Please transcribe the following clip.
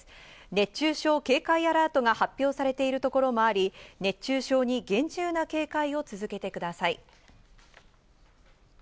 熱中症警戒アラートが発表されているところもあり、熱中症に厳重な警戒を続けてください。